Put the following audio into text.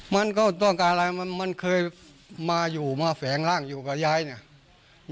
มันก็ต้องการอะไรมันเคยมาอยู่มาแฝงร่างอยู่กับยายเนี่ย